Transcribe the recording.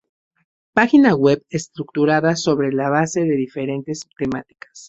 Página web estructurada sobre la base de diferentes temáticas.